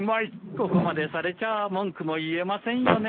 ここまでされちゃ文句も言えませんよね。